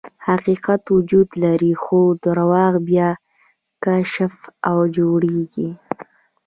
حقیقت وجود لري، خو درواغ بیا کشف او جوړیږي.